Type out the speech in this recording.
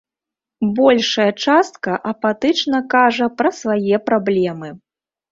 Большая частка апатычна кажа пра свае праблемы.